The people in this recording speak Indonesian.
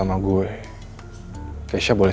kayaknya gue punya rust gameplay lagi